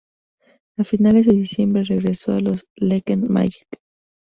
A finales de diciembre regresó a los Lakeland Magic.